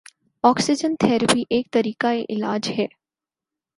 oxygen therapy ایک طریقہ علاج ہے